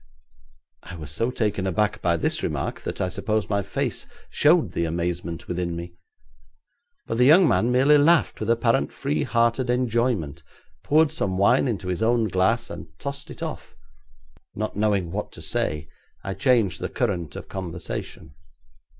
I was so taken aback by this remark that I suppose my face showed the amazement within me. But the young man merely laughed with apparently free hearted enjoyment, poured some wine into his own glass, and tossed it off. Not knowing what to say, I changed the current of conversation.